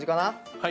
はい。